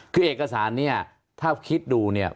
คือเอกสารเนี่ยถ้าคิดดูเนี่ย